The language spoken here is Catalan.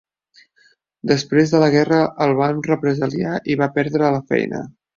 Després de la guerra el van represaliar i va perdre la feina.